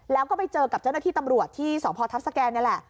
แล้วก็ไปเจอกับเจ้าหน้าที่ตำรวจที่สพทัพสแกนนี่แหละ